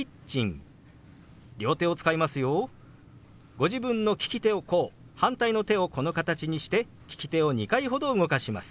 ご自分の利き手をこう反対の手をこの形にして利き手を２回ほど動かします。